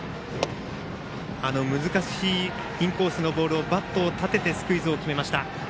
難しいインコースのボールをバットを立ててスクイズを決めました。